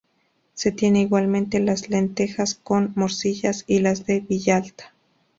Se tiene igualmente las lentejas con morcillas y las de Villalta.